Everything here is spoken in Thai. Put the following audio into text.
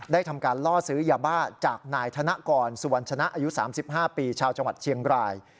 ทำการล่อซื้อยาบ้าจากนายธนกรสุวรรณชนะอายุ๓๕ปีชาวจังหวัดเชียงราย